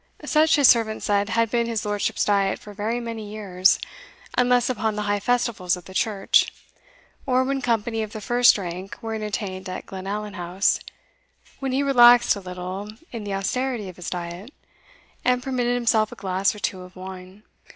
Such, his servant said, had been his lordship's diet for very many years, unless upon the high festivals of the Church, or when company of the first rank were entertained at Glenallan House, when he relaxed a little in the austerity of his diet, and permitted himself a glass or two of wine.